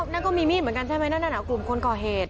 นั่นก็มีมีดเหมือนกันใช่ไหมนั่นกลุ่มคนก่อเหตุ